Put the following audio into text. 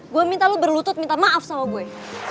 gue minta lu berlutut minta maaf sama gue